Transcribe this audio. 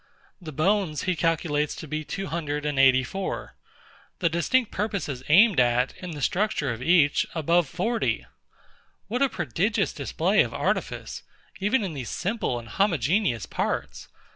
The bones he calculates to be 284: The distinct purposes aimed at in the structure of each, above forty. What a prodigious display of artifice, even in these simple and homogeneous parts!